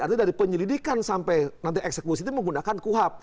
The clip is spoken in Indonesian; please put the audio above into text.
artinya dari penyelidikan sampai nanti eksekusi itu menggunakan kuhap